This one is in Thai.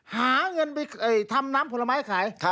หาเงินได้แล้วควรทำน้ำผลไม้ขาย